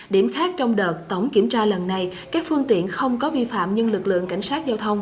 điểm khác trong đợt tổng kiểm tra lần này các phương tiện không có vi phạm nhưng lực lượng cảnh sát giao thông